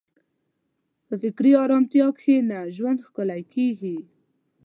په فکري ارامتیا کښېنه، ژوند ښکلی کېږي.